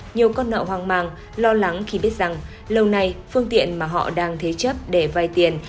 nhiều con nợ hoang mang lo lắng khi biết rằng lâu nay phương tiện mà họ đang thế chấp để vai tiền